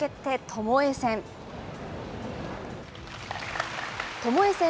ともえ戦。